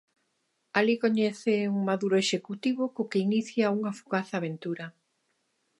Alí coñece un maduro executivo co que inicia unha fugaz aventura.